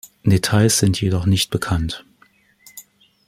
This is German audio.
Details sind jedoch nicht bekannt.